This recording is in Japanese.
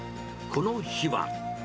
この日は。